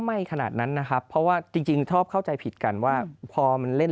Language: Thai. ไม่ขนาดนั้นนะครับเพราะว่าจริงชอบเข้าใจผิดกันว่าพอมันเล่น